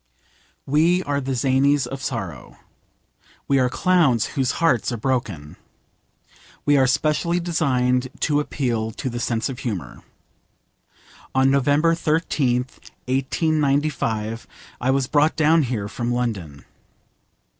We are the zanies of sorrow. We are clowns whose hearts are broken. We are specially designed to appeal to the sense of humour. On November 13th, 1895, I was brought down here from London.